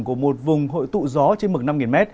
của một vùng hội tụ gió trên mực năm m